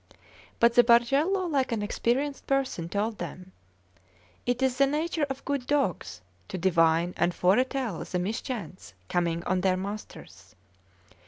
But the Bargello, like an experienced person, told them: "It is the nature of good dogs to divine and foretell the mischance coming on their masters.